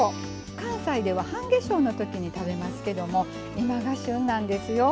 関西では半夏生のときに食べますけども今が旬なんですよ。